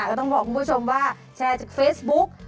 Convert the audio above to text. ก็ต้องบอกคุณผู้ชมว่าแชร์จากเฟซบุ๊ก